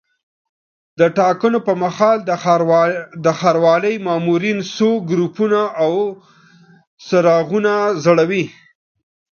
د ټاکنو پر مهال د ښاروالۍ مامورین څو ګروپونه او څراغونه ځړوي.